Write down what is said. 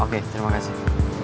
oke terima kasih